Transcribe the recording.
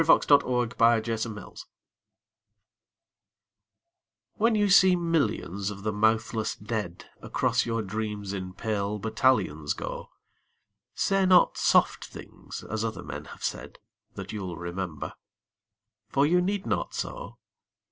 XCI The Army of Death WHEN you see millions of the mouthless dead Across your dreams in pale battalions go, Say not soft things as other men have said, That you'll remember. For you need not so.